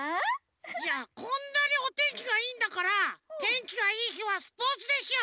いやこんなにおてんきがいいんだからてんきがいいひはスポーツでしょ！